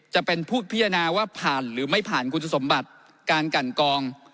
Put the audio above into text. จะเป็นผู้พิจารณาว่าผ่านหรือไม่ผ่านคุณสมบัติการกันกอง